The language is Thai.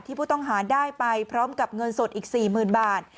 ผู้ต้องหาได้ไปพร้อมกับเงินสดอีก๔๐๐๐บาท